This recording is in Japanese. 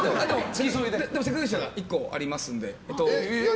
でも、せっかくでしたら１個ありますので。